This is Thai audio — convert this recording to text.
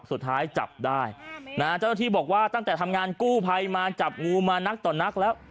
สุดท้ายจับได้นะฮะเจ้าหน้าที่บอกว่าตั้งแต่ทำงานกู้ภัยมาจับงูมานักต่อนักแล้ว